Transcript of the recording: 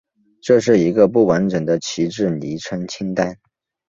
这是一个不完整的旗帜昵称清单。